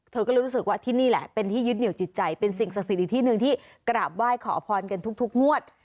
เธอก็เลยรู้สึกว่าที่นี่แหละเป็นที่ยึดเหนียวจิตใจเป็นสิ่งศักดิ์สิทธิ์อีกที่หนึ่งที่กราบไหว้ขอพรกันทุกงวด